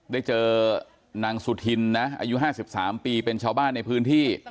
ได้เจอนางสุธินนะอายุ๕๓ปีเป็นชาวบ้านในพื้นที่